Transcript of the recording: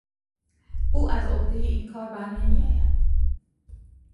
او از عهدهی این کار برنمیآید.